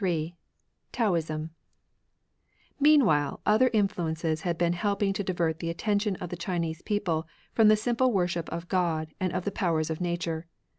— ^Taoism Meanwhile, other influences had been helping to divert the attention of the Chinese people from the simple worship of Grod and of the powers of nature.